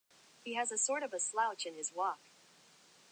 He has a sort of a slouch in his walk!